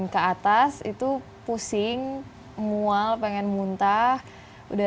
sesaat lagi dalam insight